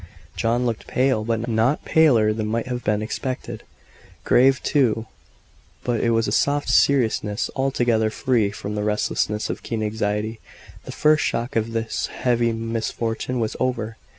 John looked pale, but not paler than might have been expected. Grave, too but it was a soft seriousness altogether free from the restlessness of keen anxiety. The first shock of this heavy misfortune was over.